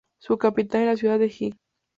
Su capital es la ciudad de Jičín.